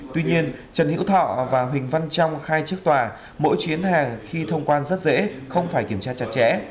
tuy nhiên trần hữu thọ và huỳnh văn trong hai chiếc tòa mỗi chuyến hàng khi thông quan rất dễ không phải kiểm tra chặt chẽ